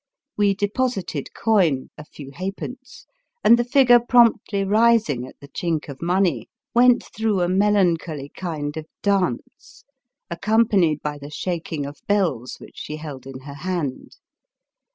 We deposited coin, a few halfpence, and the figure promptly rising at the chink of money went through a melancholy kind of dance, accompanied by the shaking of bells which she held in her hand.